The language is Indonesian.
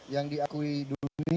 yang diakui dulu ini